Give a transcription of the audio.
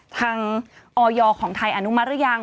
ทางออยไทยอนุมัติรึยัง